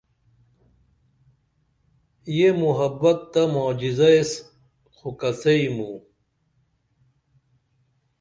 یہ محبت تہ معجزہ ایس خو کڅئی موں